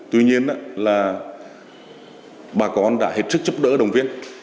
tuy nhiên là bà con đã hết sức giúp đỡ đồng viên